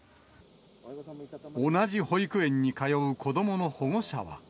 同じ保育園に通う子どもの保護者は。